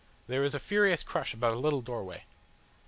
There was a furious crush about a little doorway.